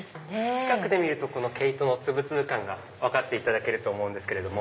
近くで見ると毛糸の粒々感が分かると思うんですけれども。